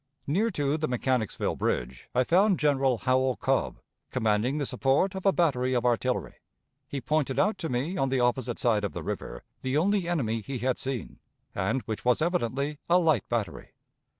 Near to the Mechanicsville Bridge I found General Howell Cobb, commanding the support of a battery of artillery. He pointed out to me on the opposite side of the river the only enemy he had seen, and which was evidently a light battery.